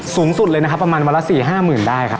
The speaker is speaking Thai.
สูงสุดเลยนะครับประมาณวันละ๔๕๐๐๐ได้ครับ